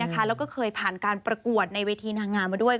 แล้วก็เคยผ่านการประกวดในเวทีนางงามมาด้วย